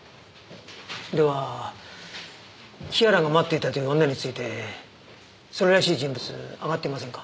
では日原が待っていたという女についてそれらしい人物挙がっていませんか？